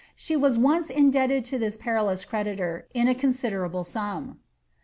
She was once indebted to this perilous creditor in a considerable sum.'